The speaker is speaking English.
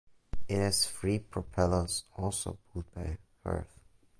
It has three propellers also built by Hirth.